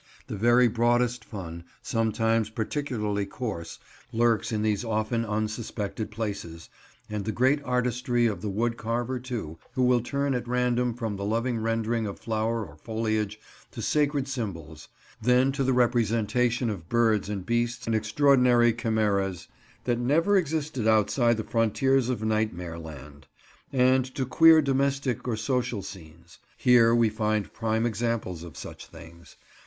The very broadest fun, sometimes particularly coarse, lurks in these often unsuspected places; and the greatest artistry of the wood carver too, who will turn at random from the loving rendering of flower or foliage, to sacred symbols; then to the representation of birds and beasts and extraordinary chimeras that never existed outside the frontiers of Nightmare Land; and to queer domestic or social scenes. Here we find prime examples of such things.